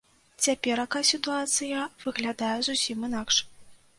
Цяперака сітуацыя выглядае зусім інакш.